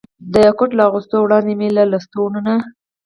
د کوټ له اغوستو وړاندې مې له لستوڼو نه.